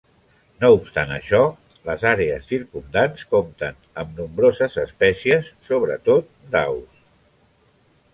No obstant això, les àrees circumdants compten amb nombroses espècies, sobretot d'aus.